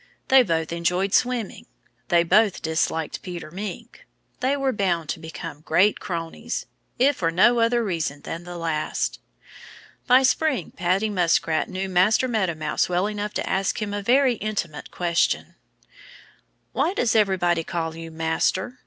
They both enjoyed swimming. They both disliked Peter Mink. They were bound to become great cronies if for no other reason than the last. By spring Paddy Muskrat knew Master Meadow Mouse well enough to ask him a very intimate question. "Why does everybody call you 'Master'?"